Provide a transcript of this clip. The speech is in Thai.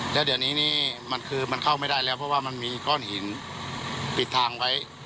แล้วเดี๋ยวนี้นี่มันคือมันเข้าไม่ได้แล้วเพราะว่ามันมีก้อนหินปิดทางไว้